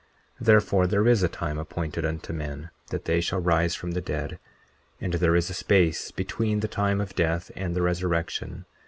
40:9 Therefore, there is a time appointed unto men that they shall rise from the dead; and there is a space between the time of death and the resurrection.